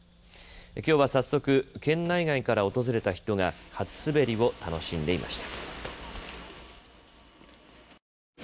きょうは早速、県内外から訪れた人が初滑りを楽しんでいました。